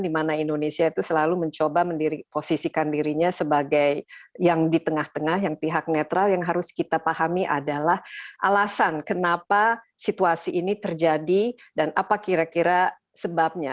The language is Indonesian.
dimana indonesia itu selalu mencoba mendiri posisikan dirinya sebagai yang di tengah tengah yang pihak netral yang harus kita pahami adalah alasan kenapa situasi ini terjadi dan apa kira kira sebabnya